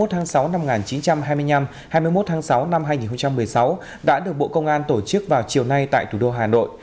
hai mươi tháng sáu năm một nghìn chín trăm hai mươi năm hai mươi một tháng sáu năm hai nghìn một mươi sáu đã được bộ công an tổ chức vào chiều nay tại thủ đô hà nội